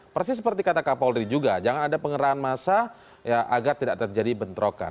persis seperti kata kak polri juga jangan ada pengerahan masa ya agar tidak terjadi bentrokan